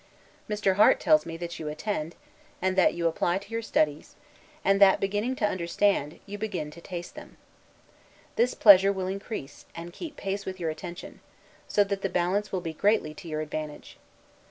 Mr. Harte tells me that you attend, that you apply to your studies; and that beginning to understand, you begin to taste them. This pleasure will increase, and keep pace with your attention; so that the balance will be greatly to your advantage.